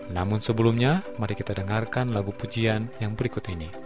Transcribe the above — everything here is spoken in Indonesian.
namun sebelumnya mari kita dengarkan lagu pujian yang berikut ini